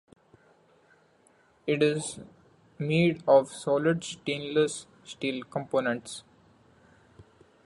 It is made of solid stainless steel components.